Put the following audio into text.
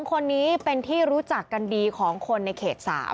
๒คนนี้เป็นที่รู้จักกันดีของคนในเขต๓